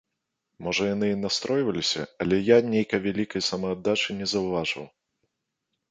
Можа, яны і настройваліся, але я нейкай вялікай самааддачы не заўважыў.